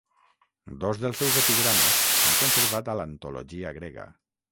Dos dels seus epigrames s'han conservat a l'antologia grega.